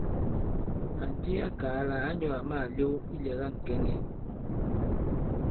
Ànti a kàa lā ǎ nyɔ̄ àma màlew ilɛ̀ga ŋ̀kɛŋɛ.